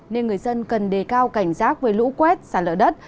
nên người dân cần đề cao cảnh giác với lũ quét xả lỡ đất